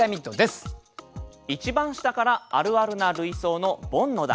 一番下からあるあるな類想のボンの段。